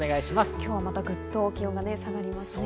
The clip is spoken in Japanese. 今日はぐっと気温が下がりますね。